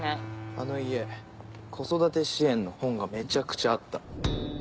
あの家子育て支援の本がめちゃくちゃあった。